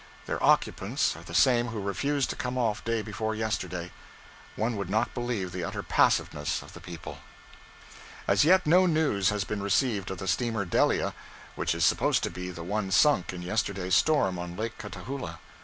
Their occupants are the same who refused to come off day before yesterday. One would not believe the utter passiveness of the people. As yet no news has been received of the steamer 'Delia,' which is supposed to be the one sunk in yesterday's storm on Lake Catahoula.